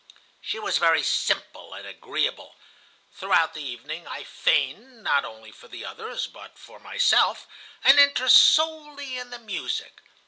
She was very simple and agreeable. Throughout the evening I feigned, not only for the others, but for myself, an interest solely in the music.